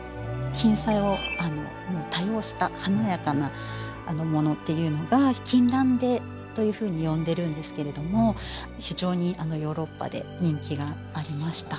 金彩を多用した華やかなものっていうのが金襴手というふうに呼んでるんですけれども非常にヨーロッパで人気がありました。